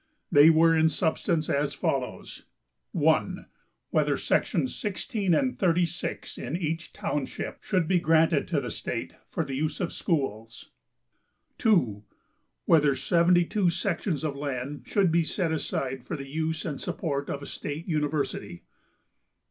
They were in substance as follows: 1. Whether sections 16 and 36 in each township should be granted to the state for the use of schools. 2. Whether seventy two sections of land should be set aside for the use and support of a state university.